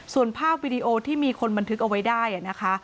ส่วนภาพวิดีโอที่มีคนบันทึกเอาไว้ได้นะคะ